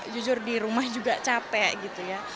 jujur di rumah juga capek gitu ya